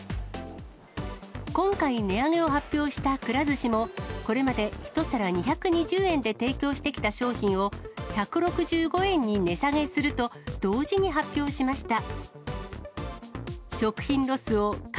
今回値上げを発表したくら寿司も、これまで１皿２２０円で提供してきた商品を、１６５円に値下げすると、同時に発表しました。